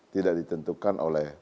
tidak ditentukan oleh